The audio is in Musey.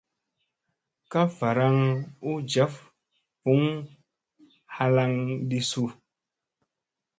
Ka varaŋ u njaf buŋ halaŋ ɗi su.